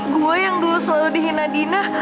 gue yang dulu selalu dihina dina